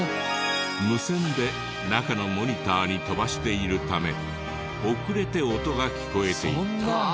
無線で中のモニターに飛ばしているため遅れて音が聞こえていた。